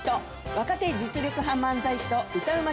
若手実力派漫才師と歌うま